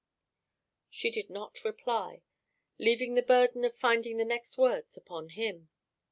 She did not reply, leaving the burden of finding the next words upon him.